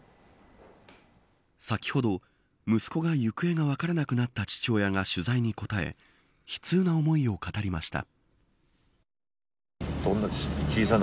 先ほど、息子が行方が分からなくなった父親が取材に答え悲痛な思いを語りました。